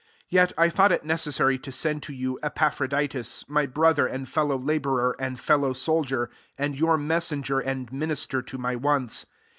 25 Yet I thought it necessary to send to you Epa phroditus, my brother and fd low labourer, and fellow soldier, and your messenger and minis ter to my wants.